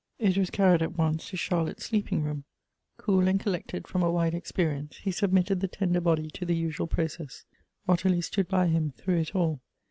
It was carried at once to Charlotte's sleeping rooin. Cool and collected from a wide experience, he submitted the tender body to the usual process. Ottilie stood by him, through it all.